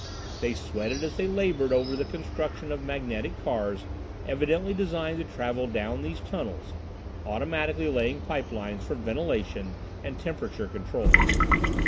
They sweated as they labored over the construction of magnetic cars evidently designed to travel down these tunnels, automatically laying pipe lines for ventilation and temperature control.